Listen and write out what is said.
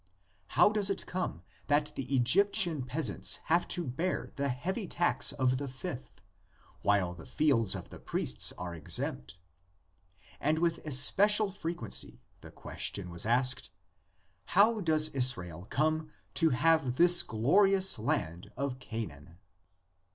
How does it come that the Egyptian peasants have to bear the heavy tax of the fifth, while the fields of the priests are exempt? And with especial frequency the question was asked, How does Israel come to have this glorious land of Canaan?